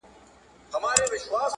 دوی نه په بشپړ ډول